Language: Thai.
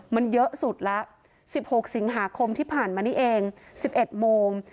มันเยอะสุดละสิบหกสิงหาคมที่ผ่านมานี่เองสิบเอ็ดโมง